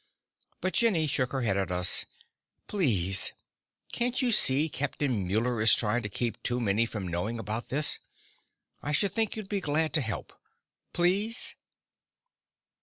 But Jenny shook her head at us. "Please. Can't you see Captain Muller is trying to keep too many from knowing about this? I should think you'd be glad to help. Please?"